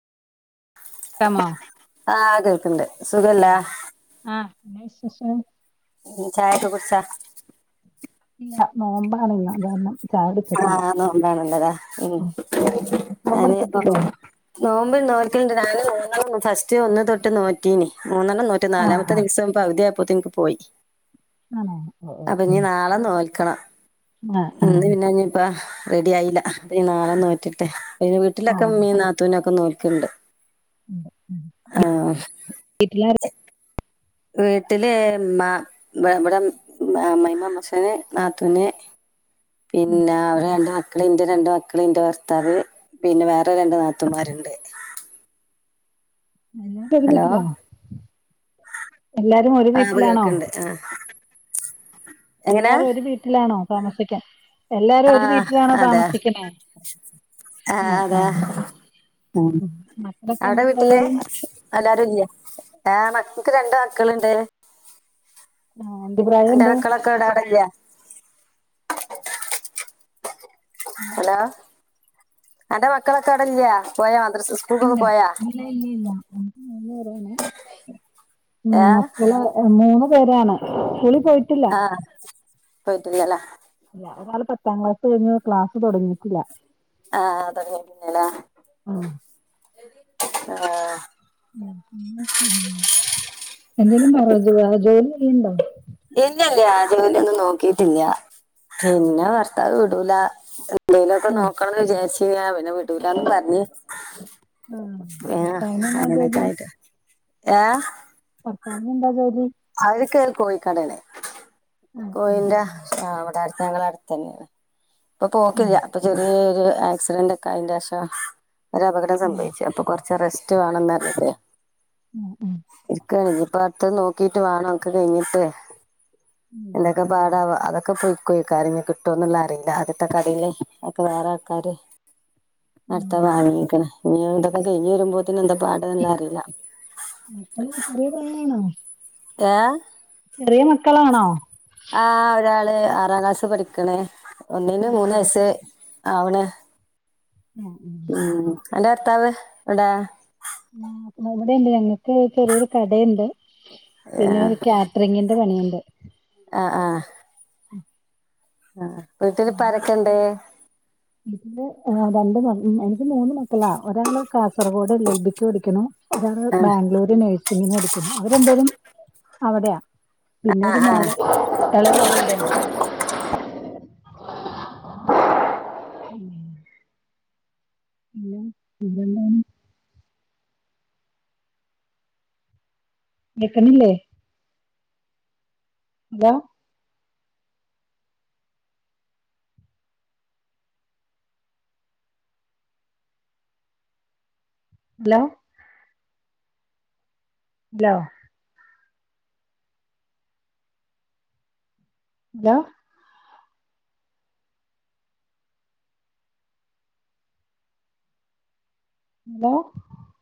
ടെമോ ആ കേൾക്ക്ണ്ട് ആ ആ എന്നാ വിശേഷം ഉം ചായൊക്കെ കുടിച്ചാ ഇല്ല നോമ്പാണല്ല അതാരണം ആ നോമ്പാണല്ലേതാ ഉം. നോമ്പെടുത്തിട്ടില്ലേ [unintelligible] നോമ്പ് നോല്ക്കുണ്ട് നാനും [unintelligible] ഫസ്റ്റ് ഒന്ന് തൊട്ട് നോറ്റീന് മൂന്നെണ്ണം നോറ്റ് ആഹ് നാലാമത്തെ ആഹ് ദിവസം അവധി ആയപ്പോ നിക്ക് പോയി ആണോ അപ്പൊ ഞ്ഞി നാളെ നോൽക്കണം ആ ആ ആ റെഡി ആയില്ല ഈ നാളെ നോറ്റിട്ട് പിന്നെ വീട്ടിലൊക്കെ ആഹ് മീ നാത്തൂനൊക്കെ നോ ക്ക്ണ്ട് ഉണ്ട് ഉം. ആ വീട്ടിലെ മ്മ ഇവിടെ ആ അമൈമാ, പക്ഷേ നാത്തൂന് പിന്നെ അവരെ രണ്ട് മക്കള്, ന്റെ രണ്ട്‌ മക്കള്, ന്റെ ഭർത്താവ് പിന്നെ വേറെ രണ്ട് നാത്തൂന്മാരുണ്ട്. റ്റ് രു വീട്ടിലാ? എല്ലാരും ഒരു ആ അത് വീട്ടിലാണോ? കേൾക്കുന്നുണ്ട് ആ എങ്ങനാ എല്ലാരും ഒരു വീട്ടിലാണോ താമസിക്കൻ എല്ലാരും ആ ഒരു വീട്ടിലാണോ അതെ താമസിക്കണേ? ആ ആഹ് അതെ. ആഹ് ഉം. മക്കളൊക്കെ എന്ത് അവിടെ വീട്ടില് പ്രായായി എല്ലാരും ഇല്ലേ? [unintelligible] ക്ക് രണ്ട് മക്കള്ണ്ട്. ആഹ് എന്ത് അന്റെ പ്രായണ്ട് മക്കളൊക്കെ വിടെ അവിടല്ലെ? എന്താ? ഹലോ. അന്റെ മക്കളൊക്കെ അവടല്ലേ പോയാ? മദ്രസ സ്കൂൾക്കൊക്കെ ഇണ്ട്. പോയാ ഇല്ല, ഇല്ല, ഇല്ല ക്ക് മൂന്ന് പേരാണ് ഉം. ഏ മക്കള് മൂന്ന് പേരാണ് പോയിട്ടില്ല ആ പോയിട്ടില്ലല്ലേ? ഒരാൾ പത്താം ക്ലാസ് കഴിഞ്ഞ് ക്ലാസ് തൊടങ്ങിട്ടില്ല ആ തൊടങ്ങീട്ടില്ലലേ ആഹ് ആ എന്തേലും ജോലി ചെയ്യുന്നുണ്ടോ? ഇല്ലല്ല ജോലി ഒന്നും നോക്കിട്ടില്ല. പിന്നെ ഭർത്താവ് വിടൂല ന്തേലോക്ക നോക്കണന്ന് വിജാരിച്ചില്ല, പിന്നെ വീടുലാന്നും പറഞ്. ആഹ് ഏ ഭർത്താവിനെന്നാ അങ്ങനൊക്കെ ജോലി? ആയിട്ട് ഏ. താവിനെന്താ ജോലി? അവര്ക്ക് കോഴിക്കടേണ്‌. ആഹ് ഉം കോഴിന്റെ ആ അവിടെണ്‌. ഞങ്ങള ടുത്ത ന്നെണ്. ഇപ്പൊ ആഹ് പോക്കില്ല പ്പൊ ചെറിയ ആക്സിഡന്റ് ഒക്കെ ആയിന്റെശം ഒരു അപകടം ആഹ് സംഭവിച്ചു അപ്പൊ കൊറച്ച് റസ്റ്റ് വേണംന്നറഞ്ഞിട്ടെ ആഹ് ആഹ് ഇരിക്കണ്‌ ഞ്ഞി പ്പ അടുത്ത നോക്കി ട്ട് വേണം ഒക്കെ കഴിഞ്ഞിട്ട് ഉം എന്തൊക്കെ പാടാ വോ അതൊക്കെ ഒക്കെ പോയിക്കോയിക്കാരം കിട്ടൊന്നു ള്ള അറിയില്ല ആദ്യത്തെ കടയില് ഒക്കെ വേറെ ആൾക്കാര് ഉം അവ്ട്ത്തെ വാങ്ങീക്ക്ണ്‌. ഇനി ഇതൊക്കെ കയ്ഞ് വരുമ്പോ നെ ന്താ പാട്ള്ളത് അറീല്ല. മക്കള് ചെറിയ യേ? ചെറിയ മക്കളാണോ? ആ ഒരാള് ആറാം ക്ലാസ്സ് പഠിക്ണേ ഒന്നിന് ആഹ് മൂന്ന് വയസ്. ആവണ്. ഉം, ഉം അന്റെറെ ഭർത്താവ് വിടേ? വിടെണ്ട് ഞങ്ങക്ക് ചെറിയൊരു കടയി ണ്ട് പിന്നെ ഒരു കാറ്ററിങ്ങിന്റെ പണിയുണ്ട് ആ ആ ആ. വീട്ടില് പ്പാരക്കെ ണ്ട്‌? വീട്ടില് രണ്ട് മ എനിക്ക് മൂന്ന് മക്കളാ. ഒരാള് കാസർഗോഡ് ൽബിക്ക് പിടിക്കുന്നു ഒരാള് ബാംഗ്ലൂര് നഴ്സിഗിന്ന് പഠിക്കുന്നു അവരണ്ടേരും അവിടെയാ പിന്നെ ആ ആ ഒരു ആ മോള് കള [inaudible] ഉം പിന്നെ [unintelligible] നിക്കണില്ലേ? എന്താ? ഹലോ? ല്ലോ? ന്താ? ലോ?